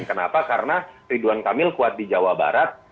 kenapa karena ridwan kamil kuat di jawa barat